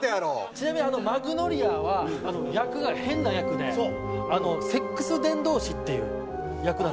ちなみに『マグノリア』は役が変な役でセックス伝道師っていう役なんですよ。